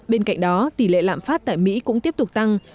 bên cạnh đó tỷ lệ lạm phát tại mỹ cũng tiếp tục tăng